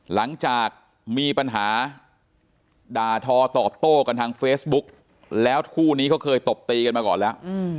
หลังจากมีปัญหาด่าทอตอบโต้กันทางเฟซบุ๊กแล้วคู่นี้เขาเคยตบตีกันมาก่อนแล้ว